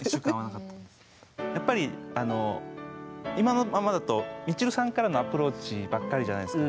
やっぱり今のままだとみちるさんからのアプローチばっかりじゃないですか。